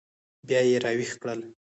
بیا یې راویښ کړل.